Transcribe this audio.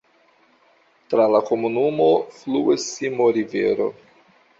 Tra la komunumo fluas Simo-rivero.